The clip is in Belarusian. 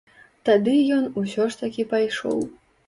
Тады ён усё ж такі пайшоў.